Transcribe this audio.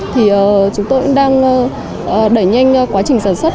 thì chúng tôi cũng đang đẩy nhanh quá trình sản xuất